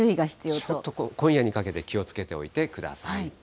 ちょっと今夜にかけて、気をつけておいてください。